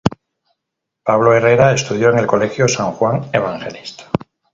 Pablo Herrera estudió en el Colegio San Juan Evangelista.